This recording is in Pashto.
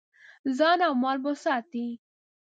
ځان او مال به ساتې.